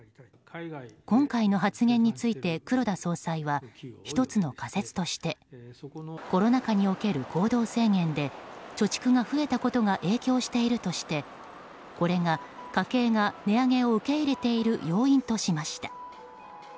今回の発言について黒田総裁は１つの仮説としてコロナ禍における行動制限で貯蓄が増えたことが影響しているとしてこれが家計が値上げを受け入れている要因としました。